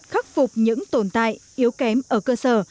khắc phục những tồn tại yếu kém ở cơ sở